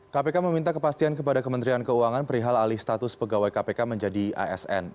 kpk meminta kepastian kepada kementerian keuangan perihal alih status pegawai kpk menjadi asn